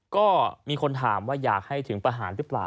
ก็มีคนถามว่าอยากให้ถึงประหารหรือเปล่า